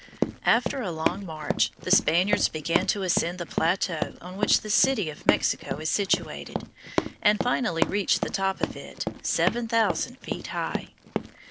After a long march, the Spaniards began to ascend the plateau on which the city of Mexico is situated, and finally reached the top of it, seven thousand feet high.